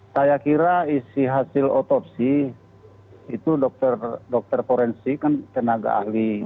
saya kira isi hasil otopsi itu dokter forensik kan tenaga ahli